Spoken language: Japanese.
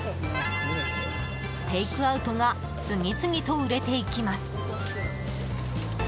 テイクアウトが次々と売れていきます。